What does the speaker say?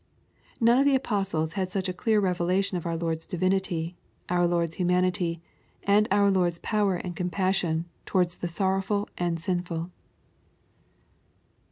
None of the apostles had such a clear revelation of our Lord's divinity, our Lord's humanity, and our Lord's power and compassion towards the sorrowful and sinful.